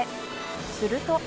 すると。